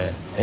え？